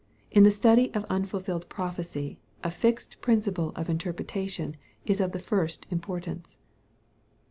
In the study of unfulfilled prophecy, a fixed principle of interpretation is of the first importance.